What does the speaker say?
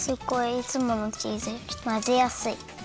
いつものチーズよりまぜやすい。